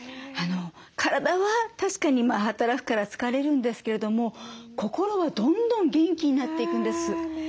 体は確かに働くから疲れるんですけれども心はどんどん元気になっていくんです。